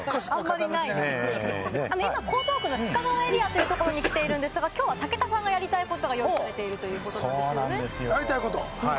江東区の深川エリアというところに来てるんですが、きょうは武田さんがやりたいことが用意されてるんですね。